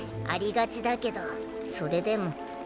ありがちだけどそれでも。